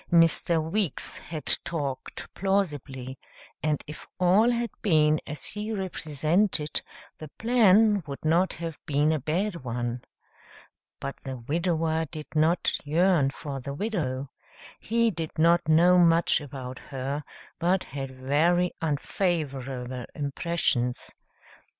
Mr. Weeks had talked plausibly, and if all had been as he represented, the plan would not have been a bad one. But the widower did not yearn for the widow. He did not know much about her, but had very unfavorable impressions.